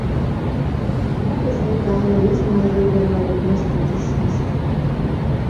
Муха злятала і зноў выбірала месца, дзе сесці.